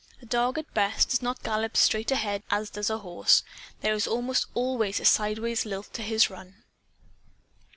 A dog, at best, does not gallop straight ahead as does a horse. There is almost always a sidewise lilt to his run.